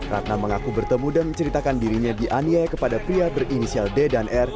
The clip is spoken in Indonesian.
ratna mengaku bertemu dan menceritakan dirinya dianiaya kepada pria berinisial d dan r